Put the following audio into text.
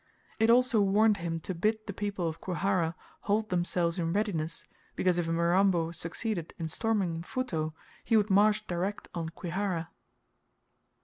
It also warned him to bid the people of Kwihara hold themselves in readiness, because if Mirambo succeeded in storming Mfuto, he would march direct on Kwihara.